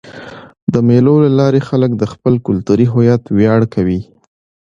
د مېلو له لاري خلک د خپل کلتوري هویت ویاړ کوي.